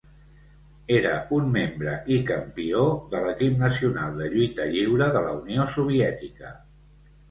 Era un membre i campió de l'equip nacional de lluita lliure de la Unió Soviètica.